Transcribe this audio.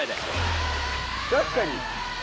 確かに。